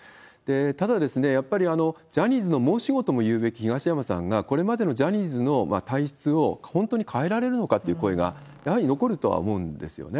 ただ、やっぱりジャニーズの申し子ともいうべき東山さんがこれまでのジャニーズの体質を本当に変えられるのかという声が、やはり残るとは思うんですよね。